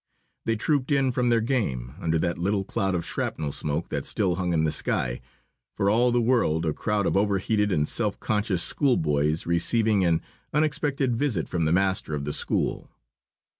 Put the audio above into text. They trooped in from their game, under that little cloud of shrapnel smoke that still hung in the sky, for all the world a crowd of overheated and self conscious schoolboys receiving an unexpected visit from the master of the school.